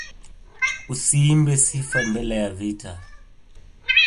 Usiimbe sifa mbele ya vita